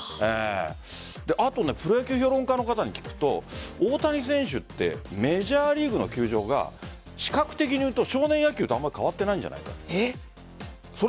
あと、プロ野球評論家の方に聞くと大谷選手ってメジャーリーグの球場が視覚的にいうと少年野球とあまり変わっていないんじゃないかという。